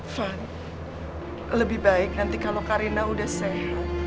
fun lebih baik nanti kalau karina udah sehat